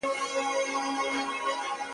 ځواني مرګ دي سم چي نه به در جارېږم,